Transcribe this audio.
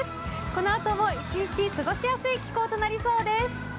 このあとも一日過ごしやすい気候となりそうです。